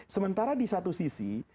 sementara di satu sisi